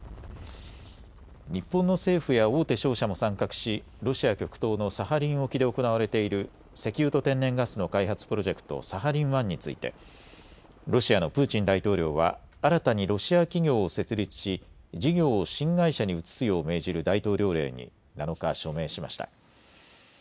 日本の政府や大手商社も参画しロシア極東のサハリン沖で行われている石油と天然ガスの開発プロジェクト、サハリン１についてロシアのプーチン大統領は新たにロシア企業を設立し事業を新会社に移すよう命じる大統領令に７日、署名しました。